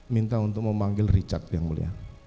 minta untuk memanggil richard yang mulia